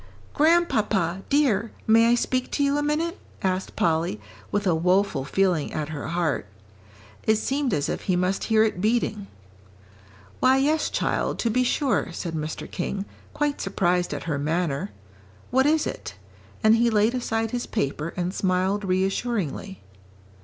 "Grandpapa, dear, may I speak to you a minute?" asked Polly, with a woful feeling at her heart. It seemed as if he must hear it beating. "Why, yes, child, to be sure," said Mr. King, quite surprised at her manner. "What is it?" and he laid aside his paper and smiled reassuringly.